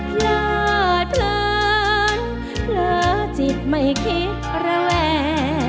พลาดเพลินเผลอจิตไม่คิดระแว